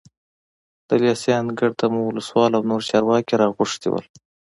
د لېسې انګړ ته مو ولسوال او نور چارواکي راغوښتي وو.